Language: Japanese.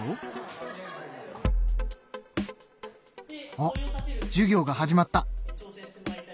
あっ授業が始まった。